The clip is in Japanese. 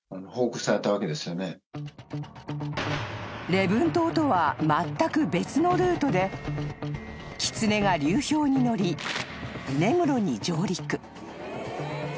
［礼文島とはまったく別のルートでキツネが流氷に乗り根室に上陸］